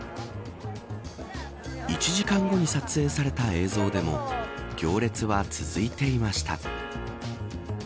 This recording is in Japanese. １時間後に撮影された映像でも行列は続いていました。